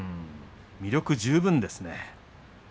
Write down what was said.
魅力十分ですね。